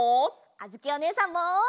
あづきおねえさんも！